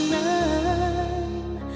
di batas gerakan